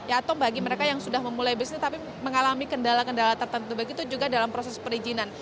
atau bagi mereka yang sudah memulai bisnis tapi mengalami kendala kendala tertentu begitu juga dalam proses perizinan